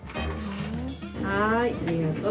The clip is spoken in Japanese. はーいありがとう。